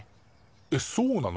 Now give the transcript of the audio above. えっそうなの？